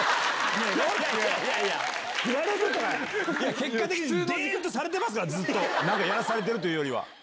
結果的にデンとされてますから何かやらされてるというよりは。